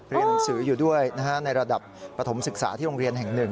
เรียนหนังสืออยู่ด้วยในระดับปฐมศึกษาที่โรงเรียนแห่ง๑